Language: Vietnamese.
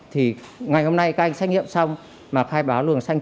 thì ngày hôm nay các anh trách nhiệm xong mà khai báo luồng xanh